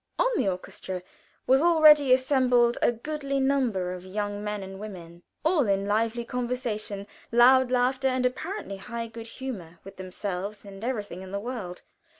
On the orchestra was already assembled a goodly number of young men and women, all in lively conversation, loud laughter, and apparently high good humor with themselves and everything in the world.